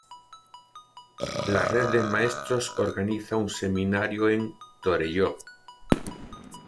La red de maestros organiza un seminario en Torelló.